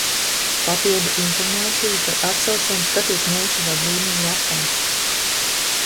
Papildu informāciju par atsaucēm skatiet mūsu vadlīniju lapā.